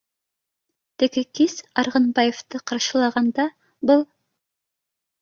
Теге кис, Арғынбаевты ҡаршылағанда, был